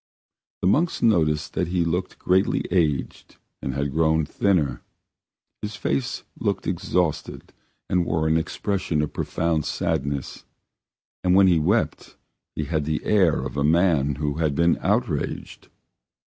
The monks noticed that he looked greatly aged and had grown thinner; his face looked exhausted and wore an expression of profound sadness, and when he wept he had the air of a man who has been outraged.